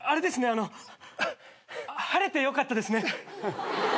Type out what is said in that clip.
晴れてよかったですね。